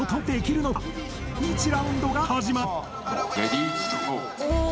第１ラウンドが始まる！